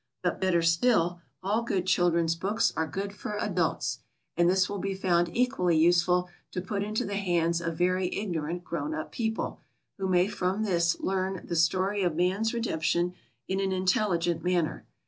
But better still, all good children's books are good for adults; and this will be found equally useful to put into the hands of very ignorant grown up people, who may from this learn the story of man's redemption in an intelligent manner.